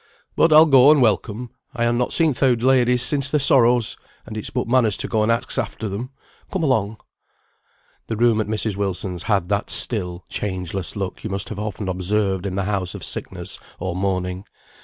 "But I'll go and welcome. I han not seen th' oud ladies since their sorrows, and it's but manners to go and ax after them. Come along." The room at Mrs. Wilson's had that still, changeless look you must have often observed in the house of sickness or mourning.